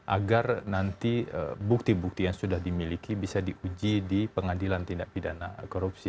agar nanti bukti bukti yang sudah dimiliki bisa diuji di pengadilan tindak pidana korupsi